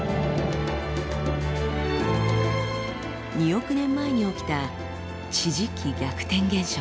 ２億年前に起きた地磁気逆転現象。